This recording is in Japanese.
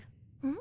ん？